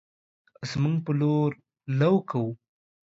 زمونږ په لور لو کوو